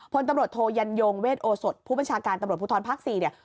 พลตำรวจโทยันยงเวทโอสดผู้บัญชาการตำรวจภูทรภาค๔เนี่ย